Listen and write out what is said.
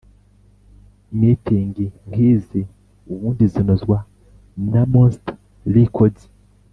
Meeting nk’izi ubundi zinozwa na Monster Records